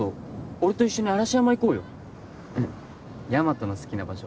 俺と一緒に嵐山行こうよヤマトの好きな場所